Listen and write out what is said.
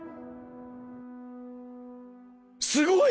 すごい！